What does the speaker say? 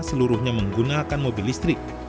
seluruhnya menggunakan mobil listrik